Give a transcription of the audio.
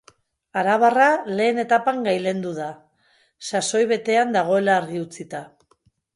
Arabarra lehen etapan gailendu da, sasoi betean dagoela argi utzita.